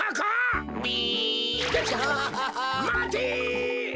まて！